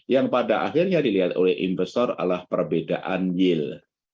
yang pada akhirnya dilihat oleh investor adalah perbedaan yield